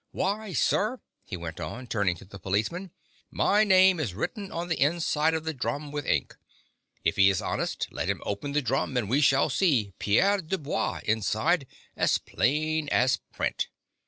Why, sir," he went on, turning to the policeman, " my name is written on the inside of the drum with ink. If he is honest, let him open the drum, and we shall see 4 Pierre Du Bois 9 inside, as plain as print.